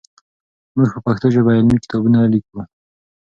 موږ په پښتو ژبه علمي کتابونه لیکو.